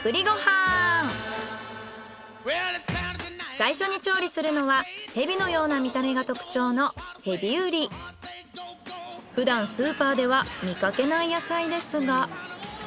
最初に調理するのはヘビのような見た目が特徴のふだんスーパーでは見かけない野菜ですが。